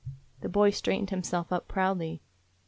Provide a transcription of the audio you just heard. The boy straightened himself up proudly.